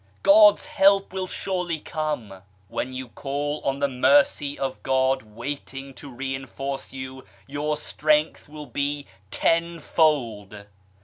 God's help will surely come ! When you call on the Mercy of God waiting to rein force you, your strength will be tenfold.